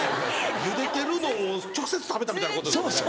ゆでてるのんを直接食べたみたいなことですもんね。